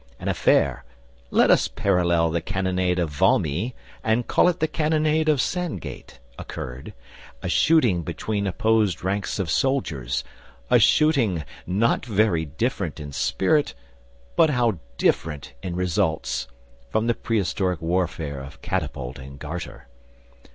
An affair let us parallel the Cannonade of Valmy and call it the Cannonade of Sandgate occurred, a shooting between opposed ranks of soldiers, a shooting not very different in spirit but how different in results! from the prehistoric warfare of catapult and garter.